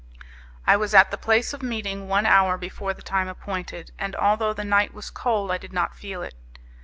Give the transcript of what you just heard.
I was at the place of meeting one hour before the time appointed, and although the night was cold I did not feel it.